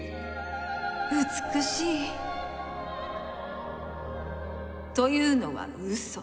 美しい。というのはウソ。